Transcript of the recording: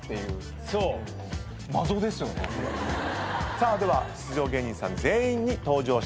さあでは出場芸人さん全員に登場していただきましょう。